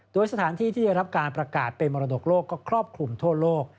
โดยสถานที่ที่ได้รับการประกาศเป็นมรดกโลกก็ครอบคลุมทั่วโลก